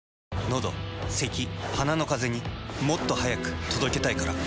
のどせき鼻のカゼにもっと速く届けたいから。